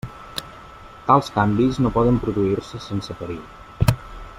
Tals canvis no poden produir-se sense perill.